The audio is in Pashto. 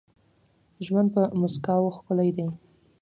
ژوند په مسکاوو ښکلی دي.